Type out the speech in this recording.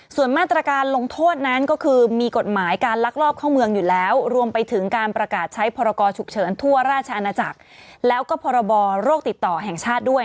ส่วนมาตรการลงโทษนั้นก็คือมีกฎหมายการลักลอบเข้าเมืองอยู่แล้วรวมไปถึงการประกาศใช้พรกรฉุกเฉินทั่วราชอาณาจักรแล้วก็พรบโรคติดต่อแห่งชาติด้วย